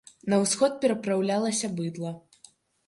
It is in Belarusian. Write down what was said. На ўсход перапраўлялася быдла.